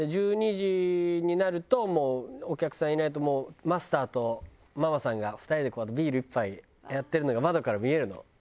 １２時になるともうお客さんいないともうマスターとママさんが２人でこうやってビール１杯やってるのが窓から見えるの。